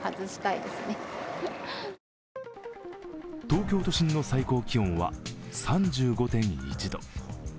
東京都心の最高気温は３５．１度。